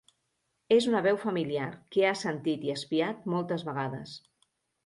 És una veu familiar, que ha sentit i espiat moltes vegades.